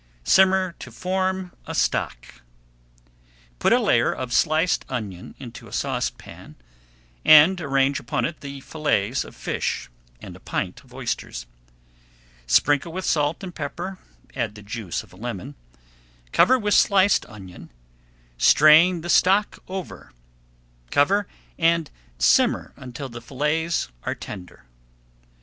Simmer to form a stock. Put a layer of sliced onion into a saucepan, and arrange upon it the fillets of fish, and a pint of oysters; sprinkle with salt and pepper, add the juice of a lemon, cover with sliced onion, strain the stock over, cover and simmer until the fillets are tender.